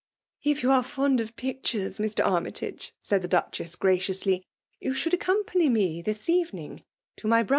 If you are fond of pictures, Mr. Army tage," said the Duchess, graciously, ''you should accompany me this evening to my bro 284 FKMAUE DOMlKAnOH.